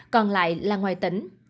còn lại là ngoài tỉnh